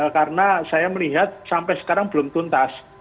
karena saya melihat sampai sekarang belum tuntas